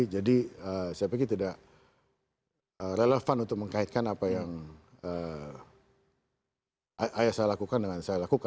saya pikir tidak relevan untuk mengkaitkan apa yang ayah saya lakukan dengan saya lakukan